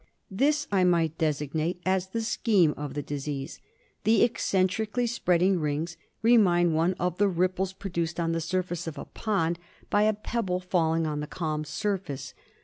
This I might designate as the scheme of the disease. The eccentrically spreading rings remind one of the ripples produced on the surface of a pond by a pebble falling on the calm surface.